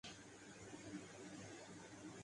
وہیں رہتی ہے۔